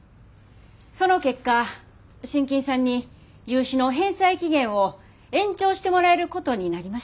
その結果信金さんに融資の返済期限を延長してもらえることになりました。